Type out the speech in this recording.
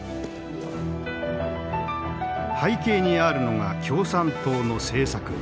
背景にあるのが共産党の政策。